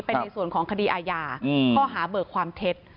เป็นในส่วนของคดีอาญาข้อหาเบิกความเท็จ